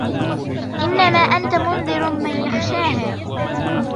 إنما أنت منذر من يخشاها